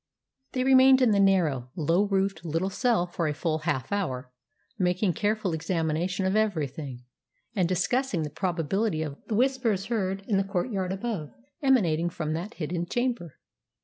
They remained in the narrow, low roofed little cell for a full half hour, making careful examination of everything, and discussing the probability of the Whispers heard in the courtyard above emanating from that hidden chamber.